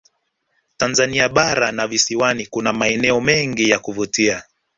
tanzania bara na visiwani kuna maeneo mengi ya kuvutia